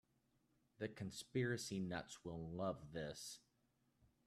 The conspiracy nuts will love this.